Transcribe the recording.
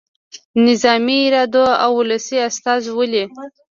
نظامي اردو او ولسي استازولي.